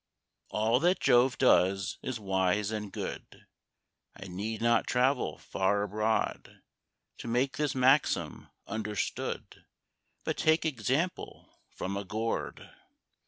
All that Jove does is wise and good, I need not travel far abroad To make this maxim understood, But take example from a Gourd.